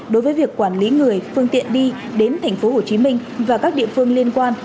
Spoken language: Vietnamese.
đối với việc quản lý người phương tiện đi đến tp hcm và các địa phương liên quan